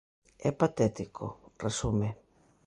"É patético", resume.